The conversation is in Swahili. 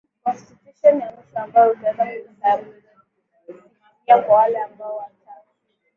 constitution ya mwisho ambao utaenda kulisimamia kwa wale ambao wataa